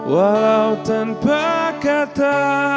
walau tanpa kata